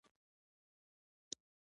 فعال کس مسوليت اخلي.